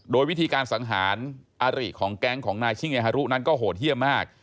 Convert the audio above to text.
โดยวิธีการสังหารอริของแก๊งของนายชิ่งเฮฮารุนั้นก็โหดเยี่ยมมาก